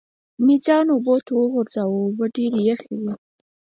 مې ځان اوبو ته وغورځاوه، اوبه ډېرې یخې وې.